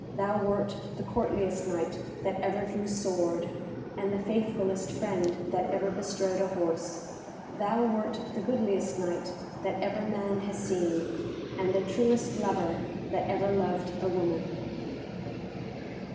Thou wert the courtliest Knight that ever drew sword, and the faithfulest friend that ever bestrode a horse. Thou wert the goodliest Knight that ever man has seen, and the truest lover that ever loved a woman."